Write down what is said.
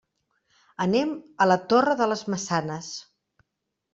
Anem a la Torre de les Maçanes.